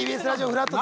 「＃ふらっと」